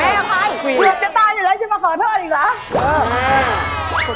เหลือจะตายอยู่แล้วจะมาขอโทษอีกหรือ